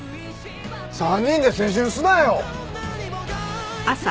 ３人で青春すなよ！